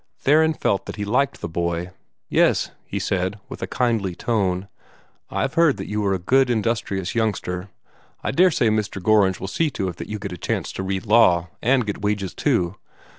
Theron felt that he liked the boy. "Yes," he said, with a kindly tone; "I've heard that you are a good, industrious youngster. I daresay Mr. Gorringe will see to it that you get a chance to read law, and get wages too."